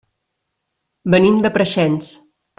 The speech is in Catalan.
Venim de Preixens.